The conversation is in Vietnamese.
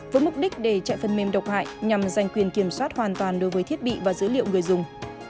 với mục đích để chạy phần mềm độc hại nhằm giành quyền kiểm soát hoàn toàn đối với thiết bị và dữ liệu người dùng